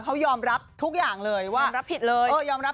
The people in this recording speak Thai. เขายอมรับทุกอย่างเลยยอมรับผิดเลย